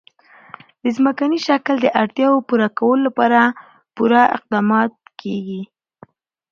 د ځمکني شکل د اړتیاوو پوره کولو لپاره پوره اقدامات کېږي.